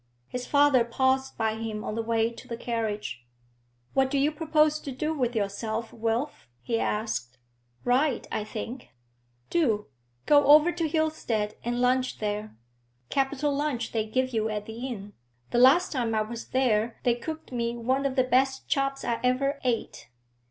His father paused by him on the way to the carriage. 'What do you propose to do with yourself, Wilf?' he asked. 'Ride, I think.' 'Do. Go over to Hilstead and lunch there. Capital lunch they give you at the inn; the last time I was there they cooked me one of the best chops I ever ate.